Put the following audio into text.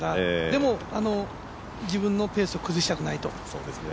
でも、自分のペースを崩したくないと。